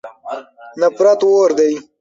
نفرت اور دی.